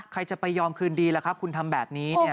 ใครจะไปยอมคืนดีล่ะครับคุณทำแบบนี้เนี่ย